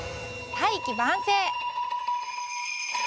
「大器晩成」。